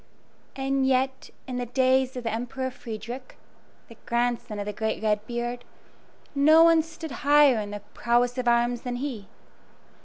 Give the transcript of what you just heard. And yet, in the days of the Emperor Frederick the grandson of the great Red beard no one stood higher in the prowess of arms than he.